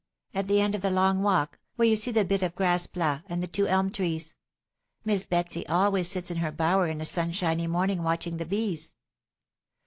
at the end of the long walk, where you see the bit of grass plat and the two elm trees. Miss Betsy always sits in her bower in a sunshiny morning watching the bees."